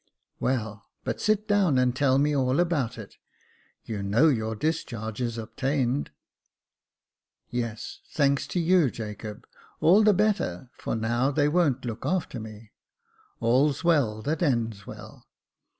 "Well, but sit down and tell me all about it. You know your discharge is obtained." " Yes, thanks to you, Jacob j all the better, for now they won't look after me. All's well that ends well.